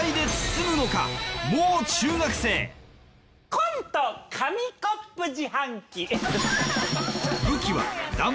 コント紙コップ自販機。